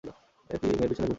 একই মেয়ের পিছনে ঘুরতি?